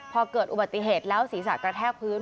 พอเกิดอุบัติเหตุแล้วศีรษะกระแทกพื้น